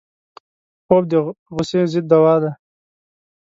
خوب د غصې ضد دوا ده